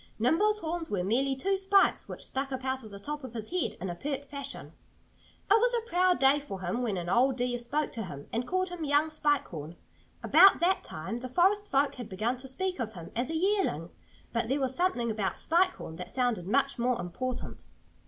Nimble's horns were merely two spikes which stuck up out of the top of his head in a pert fashion. It was a proud day for him when an old deer spoke to him and called him "young Spike Horn." About that time the forest folk had begun to speak of him as a "yearling." But there was something about "Spike Horn" that sounded much more important.